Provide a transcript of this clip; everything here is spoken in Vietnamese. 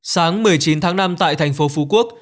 sáng một mươi chín tháng năm tại thành phố phú quốc